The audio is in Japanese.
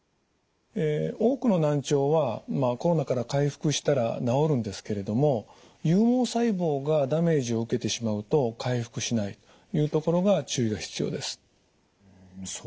多くの難聴はコロナから回復したら治るんですけれども有毛細胞がダメージを受けてしまうと回復しないというところが注意が必要です。